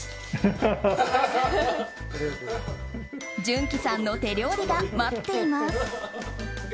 潤熙さんの料理が待っています。